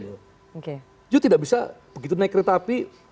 dia tidak bisa begitu naik kereta api